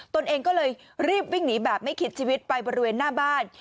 ตัวเองก็เลยรีบวิ่งหนีแบบไม่คิดชีวิตไปบริเวณหน้าบ้าน